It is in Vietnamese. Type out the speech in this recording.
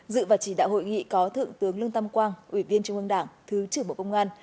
dự và chỉ đạo hội nghị có thượng tướng lương tam quang ủy viên trung ương đảng thứ trưởng bộ công an